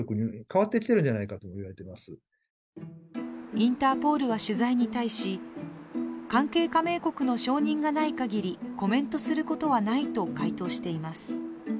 インターポールは取材に対し関係加盟国の承認がないかぎりコメントすることはないと回答しています。